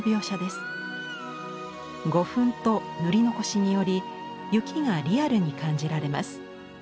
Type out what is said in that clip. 胡粉と塗り残しにより雪がリアルに感じられます。